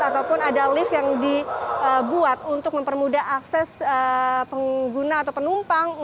ataupun ada lift yang dibuat untuk mempermudah akses pengguna atau penumpang